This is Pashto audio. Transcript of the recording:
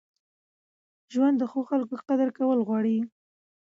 ژوند د ښو خلکو قدر کول غواړي.